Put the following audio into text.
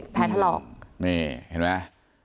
แผลทะเลาะ